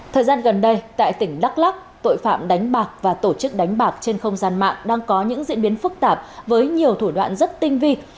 thời gian gần đây tại tỉnh đắk lắc tội phạm đánh bạc và tổ chức đánh bạc trên không gian mạng đang có những diễn biến phức tạp với nhiều thủ đoạn rất tinh vi